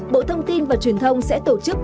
bộ thông tin và truyền thông sẽ tổ chức